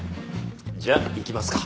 じゃあ行きますか。